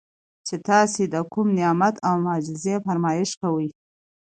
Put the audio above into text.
چې تاسي د کوم نعمت او معجزې فرمائش کوئ